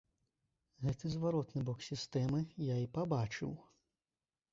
Гэты зваротны бок сістэмы я і пабачыў.